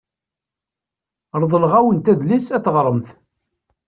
Reḍleɣ-awent adlis ad t-teɣremt.